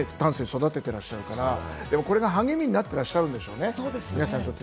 丹精に育てていらっしゃるから、これが励みになっていらっしゃるんでしょうね。